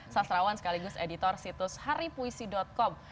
sastrawan sekaligus editor situs haripuisi com